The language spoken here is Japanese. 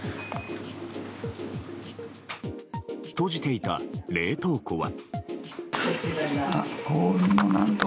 閉じていた冷凍庫は。